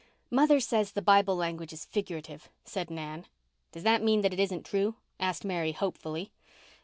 "Mother says the Bible language is figurative," said Nan. "Does that mean that it isn't true?" asked Mary hopefully.